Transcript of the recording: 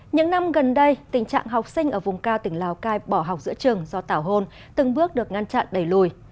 những năm gần đây tình trạng học sinh ở vùng cao tỉnh lào cai bỏ học giữa trường do tảo hôn từng bước được ngăn chặn đẩy lùi